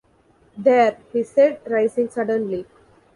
“There!” he said, rising suddenly.